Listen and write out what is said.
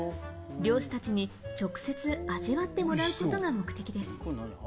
漁師たちに直接味わってもらうことが目的です。